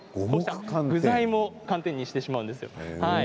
具材も寒天にしてしまうんですよ。